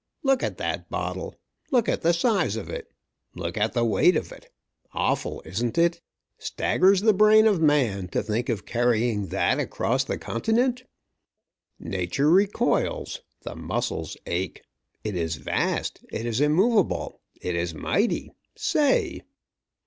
Look at that bottle. Look at the size of it. Look at the weight of it Awful, isn't it? Staggers the brain of man to think of carrying that across the continent! Nature recoils, the muscles ache. It is vast, it is immovable, it is mighty. Say!"